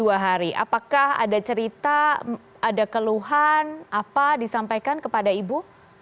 sudah dua hari apakah ada cerita ada keluhan apa disampaikan kepada ibu